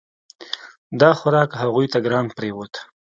دا خوراک هغوی ته ګران پریوت.